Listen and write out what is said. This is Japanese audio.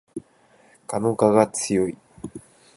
蛾の我が強い